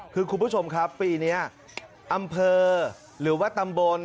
คือคุณผู้ชมครับปีนี้อำเภอหรือว่าตำบล